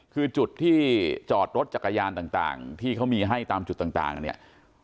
คือจุดที่จอดรถจักรยานต่างที่เขามีให้ตามจุดต่างเนี่ย